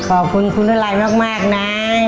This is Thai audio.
ขอบคุณคุณนารัยมากนะ